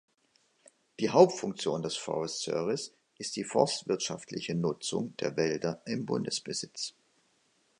Die Hauptfunktion des Forest Service ist die forstwirtschaftliche Nutzung der Wälder im Bundesbesitz.